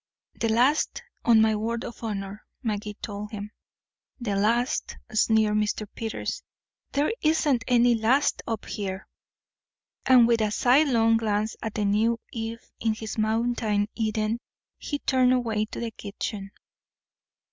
"The last, on my word of honor," Magee told him. "The last," sneered Mr. Peters. "There isn't any last up here." And with a sidelong glance at the new Eve in his mountain Eden, he turned away to the kitchen.